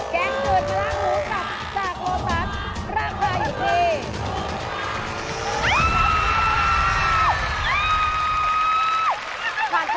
แกงหืดกล้างหมูสับจากโลซัสราคาอยู่ที่